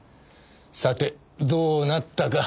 さてどうなったか。